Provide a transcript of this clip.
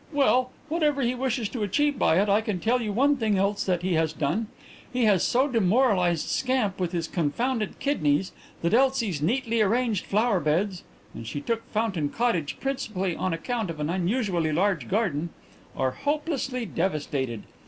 "Well, whatever he wishes to achieve by it I can tell you one thing else that he has done. He has so demoralized Scamp with his confounded kidneys that Elsie's neatly arranged flower beds and she took Fountain Cottage principally on account of an unusually large garden are hopelessly devastated.